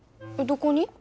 どこに？